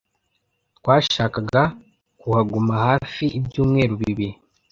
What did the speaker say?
Twashakaga kuhaguma hafi ibyumweru bibiri.